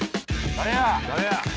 誰や？